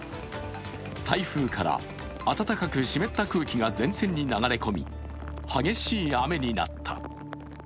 台風から暖かく湿った空気が前線に流れ込み激しい雨になった。